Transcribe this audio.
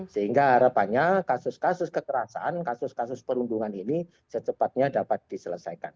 sehingga harapannya kasus kasus kekerasan kasus kasus perundungan ini secepatnya dapat diselesaikan